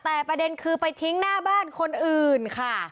แต่ประเด็นคือไปทิ้งหน้าบ้านคนอื่นค่ะ